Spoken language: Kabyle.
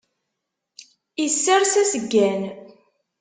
Issers aseggan.